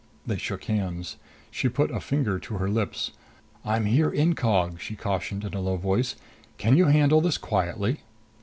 They shook hands. She put a finger to her lips. "I'm here incog!" she cautioned in a low voice. "Can you handle this quietly?"